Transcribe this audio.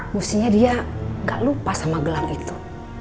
mestinya dia gak lupa sama gelang itu